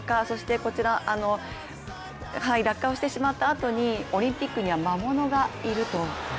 そして落下をしてしまったあとにオリンピックには魔物がいると。